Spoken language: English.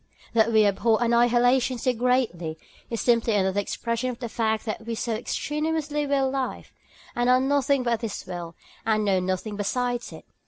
That we abhor annihilation so greatly, is simply another expression of the fact that we so strenuously will life, and are nothing but this will, and know nothing besides it.